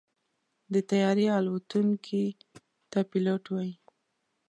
د طیارې الوتونکي ته پيلوټ وایي.